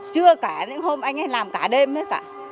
chưa cả những hôm anh ấy làm cả đêm hết cả